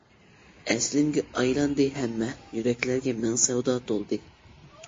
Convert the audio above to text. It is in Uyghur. ئەسلىمىگە ئايلاندى ھەممە، يۈرەكلەرگە مىڭ سەۋدا تولدى.